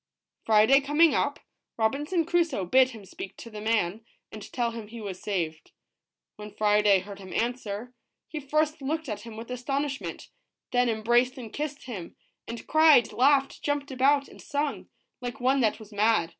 Friday coming up, Robinson Crusoe bid him speak to the man, and tell him he was saved. When Friday heard him answer, he first looked at him with astonishment, then embraced and kissed him, and cried, laughed, jumped about, and sung, like one that was mad.